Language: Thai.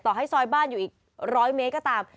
ให้ซอยบ้านอยู่อีก๑๐๐เมตรก็ตาม